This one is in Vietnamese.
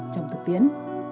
trong thực tiễn